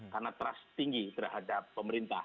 karena trust tinggi terhadap pemerintah